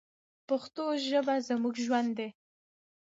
پښتو ژبه زموږ ژوند دی.